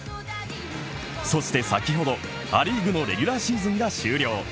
そして先ほど、ア・リーグのレギュラーシーズンが終了。